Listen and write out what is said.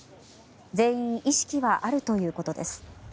全員、意識はあるということです。